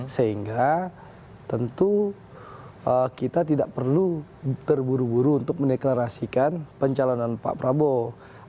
sehingga tentu kita tidak perlu terburu buru untuk mendeklarasikan pencalonan pak prabowo